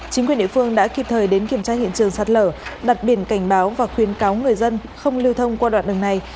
chính quyền địa phương đã kịp thời đến kiểm tra hiện trường sạt lở đặt biển cảnh báo và khuyến cáo người dân không lưu thông qua đoạn đường này